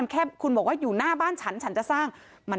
แค่คุณบอกว่าอยู่หน้าบ้านฉันฉันจะสร้าง